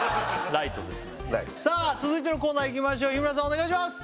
ライトさあ続いてのコーナーいきましょう日村さんお願いします